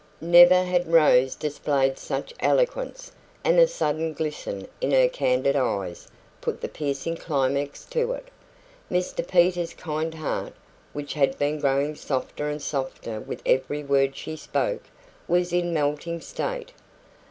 Never had Rose displayed such eloquence, and a sudden glisten in her candid eyes put the piercing climax to it. Mr Peter's kind heart, which had been growing softer and softer with every word she spoke, was in melting state.